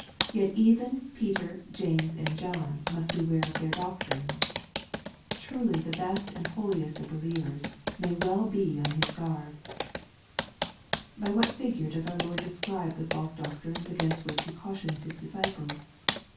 Yet even Peter, James, and John must beware of their doctrines i Truly the best and holiest of believers may well be on his guard 1 By what figure does our Lord describe the false doctrines against which He cautions His disciples